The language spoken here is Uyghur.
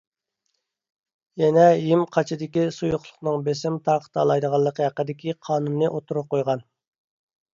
يەنە ھىم قاچىدىكى سۇيۇقلۇقنىڭ بېسىم تارقىتالايدىغانلىقى ھەققىدىكى قانۇننى ئوتتۇرىغا قويغان.